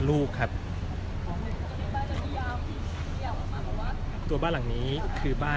ไม่ใช่นี่คือบ้านของคนที่เคยดื่มอยู่หรือเปล่า